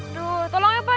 aduh tolong ya pak